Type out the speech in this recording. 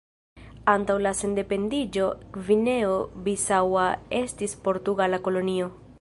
Antaŭ la sendependiĝo Gvineo-Bisaŭa estis portugala kolonio.